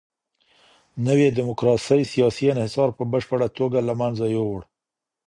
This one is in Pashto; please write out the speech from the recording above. نوي ډيموکراسۍ سياسي انحصار په بشپړه توګه له منځه يووړ.